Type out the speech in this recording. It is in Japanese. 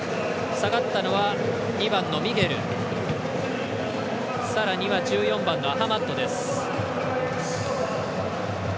下がったのは、２番のミゲルさらには１４番、アハマッドです。